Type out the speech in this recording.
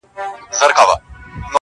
نور مي په حالاتو باور نه راځي بوډی سومه-